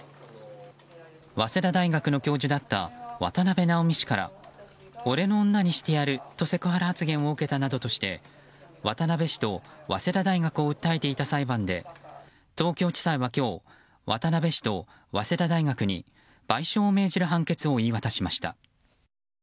早稲田大学の教授だった渡部直己氏から俺の女にしてやるとセクハラ発言を受けたとして渡部氏と早稲田大学を訴えていた裁判で東京地裁は今日渡部氏と早稲田大学に賠償を命じる判決を言い渡しました。